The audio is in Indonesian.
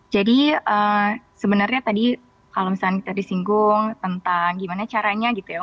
jadi sebenarnya tadi kalau misalnya kita disinggung tentang gimana caranya gitu ya